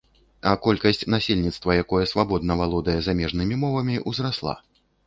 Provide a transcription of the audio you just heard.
А колькасць насельніцтва, якое свабодна валодае замежнымі мовамі, узрасла.